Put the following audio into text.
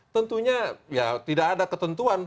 tentunya ya tidak ada ketentuan